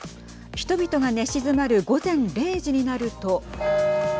人々が寝静まる午前０時になると。